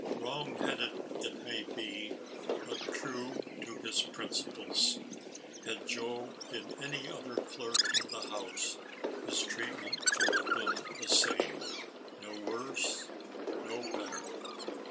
Wrong headed it may be, but true to his principles. Had Joe been any other clerk in the house, his treatment would have been the same; no worse, no better.